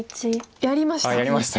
やりました！